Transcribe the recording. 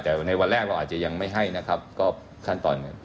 แต่ในวันแรกเราอาจจะยังไม่ให้นะครับก็ขั้นตอนหนึ่ง